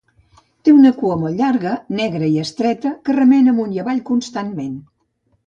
Té una cua molt llarga, negra i estreta que remena amunt i avall constantment.